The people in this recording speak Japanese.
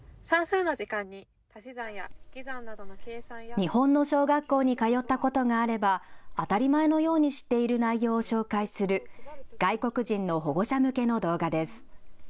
日本の小学校に通ったことがあれば、当たり前のように知っている内容を紹介する外国人の保護者向けの動画です。